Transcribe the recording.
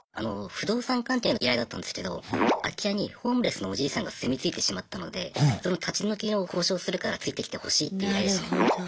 不動産関係の依頼だったんですけど空き家にホームレスのおじいさんが住み着いてしまったのでその立ち退きの交渉するからついてきてほしいという依頼でしたね。